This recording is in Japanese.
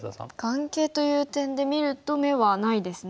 眼形という点で見ると眼はないですね。